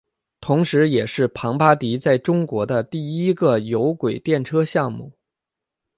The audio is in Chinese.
同时也是庞巴迪在中国的第一个有轨电车项目。